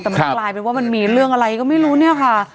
แต่มันกลายเป็นว่ามันมีเรื่องอะไรก็ไม่รู้เนี่ยค่ะ